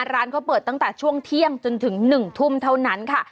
ร้านเขาเปิดตั้งแต่ช่วงเที่ยงจนถึง๑ทุ่มเท่านั้นค่ะ